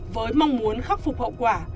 với mong muốn khắc phục hậu quả